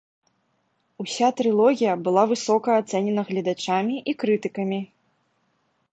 Уся трылогія была высока ацэнена гледачамі і крытыкамі.